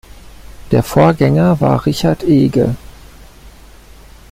Der Vorgänger war Richard Ege.